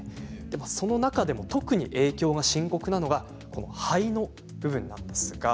その中でも特に影響が深刻なのが肺の部分です。